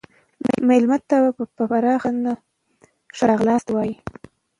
مېلمه ته په پراخه ټنډه ښه راغلاست ووایئ.